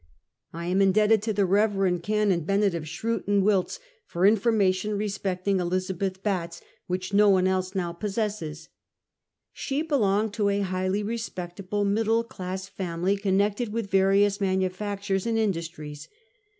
I am indebted to the Rev. Canon Bennett of Shrewton, Wilts, for information resiKJcting Elizabeth Batts which no one else now possesses. She belonged to a highly respectable middle class family, connected with vai*io\is manufactures and industries.